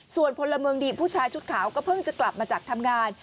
ส่วนพลเมืองดีผู้ชายชุดขาวก็เพิ่งจะกลับมาจากทำงาน